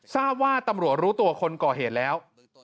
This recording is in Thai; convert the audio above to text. ทราบว่าตำรวจรู้ตัวคนก่อเหตุแล้ว